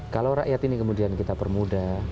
kalau rakyat ini kemudian kita permudah